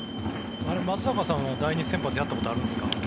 松坂さんは第２先発やったことあるんですか？